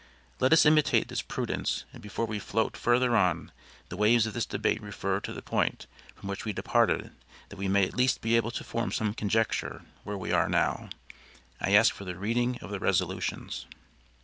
Let us imitate this prudence and before we float further on the waves of this debate refer to the point from which we departed that we may at least be able to form some conjecture where we now are. I ask for the reading of the resolutions."